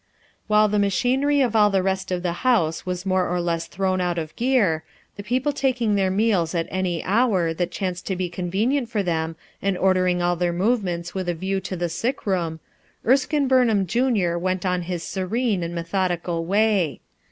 While the ma. chinery of all the rest of the house was more or less thrown out of gear, the people taking their meals at any hour that chanced to be con. Yemeni for them, and ordering all their move ments with a view to the sick room, Erskine Bumhara junior w r ent on his serene and method ical way.